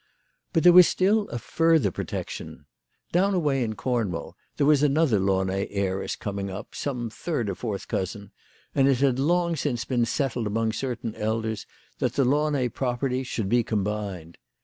But there was still a further protection. Down away in Cornwall there was another Launay heiress coining up, some third or fourth cousin, and it had long since been settled among certain elders that the Launay properties should be combined.